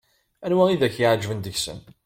Anwa i ak-iɛeǧben deg-sen?